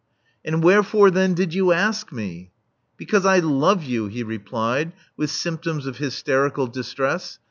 "And wherefore then did you ask me?" "Because I love you," he replied, with symptoms of hysterical distress.